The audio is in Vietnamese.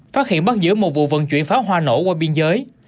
phát hiện bắt giữ một vụ vận chuyển pháo hoa nổ qua biên giới